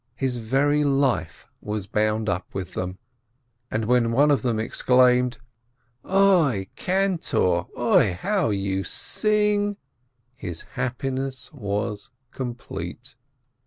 His very life was bound up with them, and when one of them exclaimed, "Oi, cantor! Oi, how you sing !" his happiness was complete.